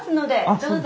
どうぞ。